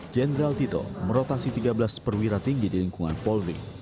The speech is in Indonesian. jenderal tito merotasi tiga belas perwira tinggi di lingkungan polri